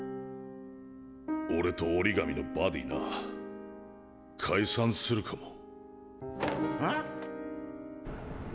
俺と折紙のバディな解散するかも。へ⁉